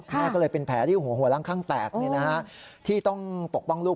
แม่ก็เลยเป็นแผลที่หัวล้างข้างแตกที่ต้องปกป้องลูก